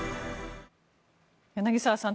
柳澤さん